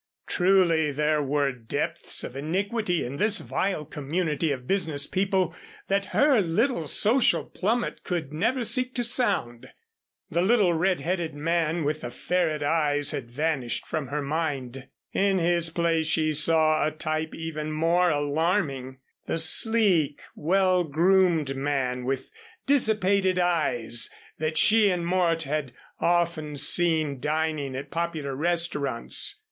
Truly there were depths of iniquity in this vile community of business people that her little social plummet could never seek to sound. The little red headed man with the ferret eyes had vanished from her mind. In his place she saw a type even more alarming the sleek, well groomed man with dissipated eyes that she and Mort had often seen dining at popular restaurants.